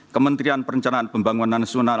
kementerian perencanaan pembangunan nasional